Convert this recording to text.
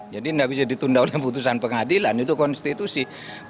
jadi tidak bisa ditunda oleh putusan pengadilan itu konstitusi